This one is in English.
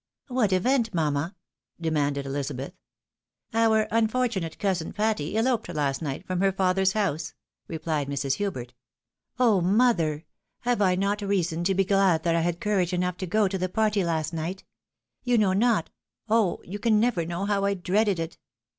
" What event, mamma ?" demanded Elizabeth. " Our unfortunate cousin Patty eloped last night from her father's house," replied Mrs. Hubert., A PROPOSAL CONSIDERED. 375 " Oh, mother ! Have I not reason to be glad that I had courage enough to go to the party last night ? You know not — oh ! you can never know how I dreaded it